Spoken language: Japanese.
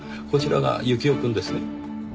こちらが幸雄くんですね？